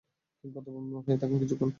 কিংকর্তব্যবিমূঢ় হয়ে থাকেন কিছুক্ষণ।